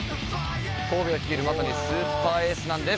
神戸を率いるまさにスーパーエースなんです。